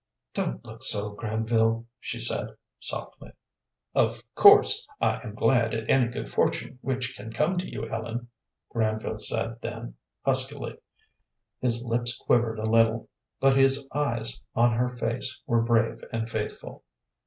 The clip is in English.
"Don't look so, Granville," she said, softly. "Of course I am glad at any good fortune which can come to you, Ellen," Granville said then, huskily. His lips quivered a little, but his eyes on her face were brave and faithful.